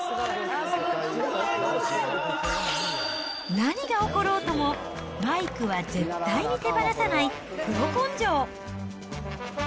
何が起ころうとも、マイクは絶対に手放さないプロ根性。